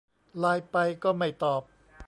ไลน์ไปก็ไม่ตอบ